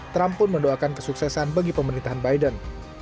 trump pun mendoakan kesuksesan bagi pemerintahan biden